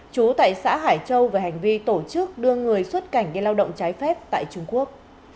chú tại xã hải châu về hành vi tổ chức đưa người xuất cảnh đi lao động trái phép tại trung quốc